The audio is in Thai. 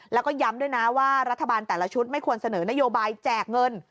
แล้วก็ย้ำด้วยนะว่ารัฐบาลแต่ละชุดไม่ควรเสนอนโยบายแจกเงิน